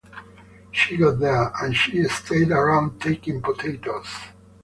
She got there, and she stayed around, taking potatoes.